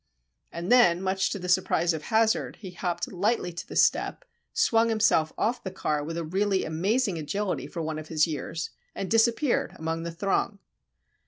And then, much to the surprise of Hazard, he hopped lightly to the step, swung himself off the car with a really amazing agility for one of his years, and disappeared among the throng.